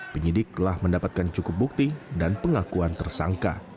penyidik telah mendapatkan cukup bukti dan pengakuan tersangka